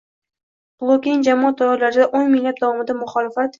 blokining jamoat doiralarida o‘nlab yillar davomida “muxolifat”